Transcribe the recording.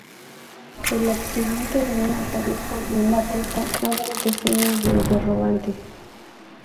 El accidente de una pareja en la ruta abre decenas de interrogantes.